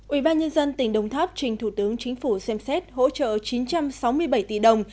ủy ban nhân dân tỉnh đồng tháp trình thủ tướng chính phủ xem xét hỗ trợ chín trăm sáu mươi bảy tỷ đồng